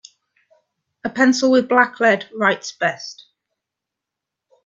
A pencil with black lead writes best.